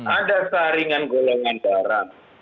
ada saringan goleman darah